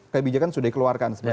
kebijakan sudah dikeluarkan